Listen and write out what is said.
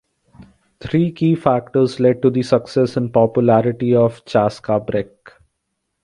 Three key factors led to the success and popularity of Chaska brick.